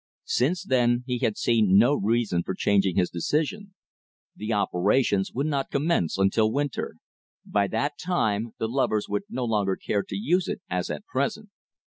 Since then he had seen no reason for changing his decision. The operations would not commence until winter. By that time the lovers would no longer care to use it as at present.